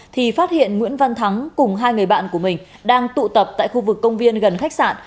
thì phát hiện nguyễn văn thắng cùng hai người bạn của mình đang tụ tập tại khu vực công viên gần khách sạn